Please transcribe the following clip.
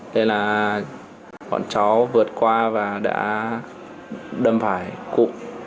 thế là bọn chó vượt qua và đã đâm phải cụ